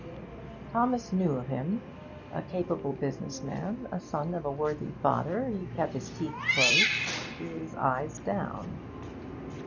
Thomas knew of him; a capable business man, and son of a worthy father. He kept his teeth close, his eyes down.